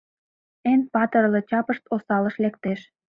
Эн патырле чапышт осалыш лектеш.